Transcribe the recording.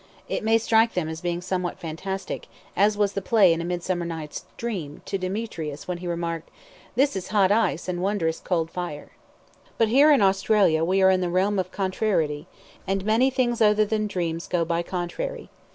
It may strike them as being somewhat fantastic, as was the play in "A Midsummer Night's Dream," to Demetrius when he remarked, "This is hot ice and wondrous cold fire." But here in Australia we are in the realm of contrariety, and many things other than dreams go by contrary.